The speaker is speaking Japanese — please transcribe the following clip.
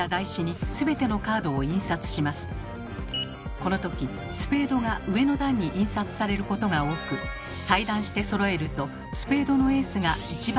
このときスペードが上の段に印刷されることが多く裁断してそろえるとスペードのエースが一番上になりやすかったのです。